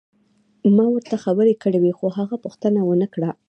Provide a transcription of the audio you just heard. ما ورته خبرې کړې وې خو هغه پوښتنه ونه کړه.